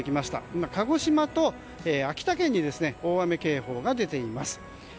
今、鹿児島と秋田県に大雨警報が出ています。